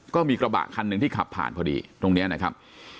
ก็มีกระบะคันหนึ่งที่ขับผ่านพอดีตรงนี้นะครับ